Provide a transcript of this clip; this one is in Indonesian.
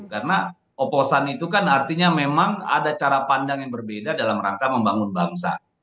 karena oposan itu kan artinya memang ada cara pandang yang berbeda dalam rangka membangun bangsa